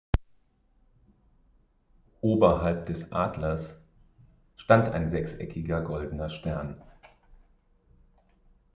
Oberhalb des Adlers stand ein sechseckiger, goldener Stern.